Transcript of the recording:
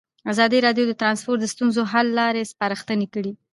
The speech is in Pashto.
ازادي راډیو د ترانسپورټ د ستونزو حل لارې سپارښتنې کړي.